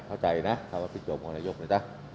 เข้าใจนะคำว่าพริกโยคมองค์ระยุกต์นะจ๊ะ